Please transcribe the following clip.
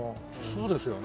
そうですよね。